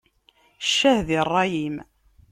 Ccah di ṛṛay-im!